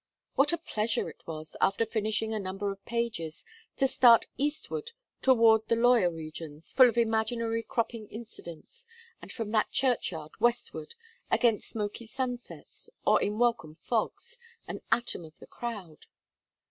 What a pleasure it was, after finishing a number of pages, to start Eastward toward the lawyer regions, full of imaginary cropping incidents, and from that churchyard Westward, against smoky sunsets, or in welcome fogs, an atom of the crowd!